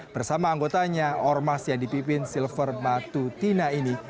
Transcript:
bersama anggotanya ormas yang dipimpin silver matutina ini